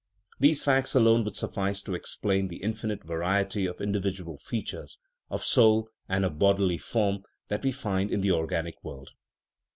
* These facts alone would suffice to explain the infinite variety of individual features, of soul and of bodily form, that we find in the organic world.